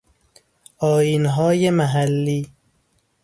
آئین های محلی